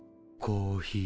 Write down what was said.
コーヒー。